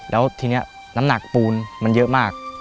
แล้วทีนี้น้ำหนักปูนมันเยอะมาก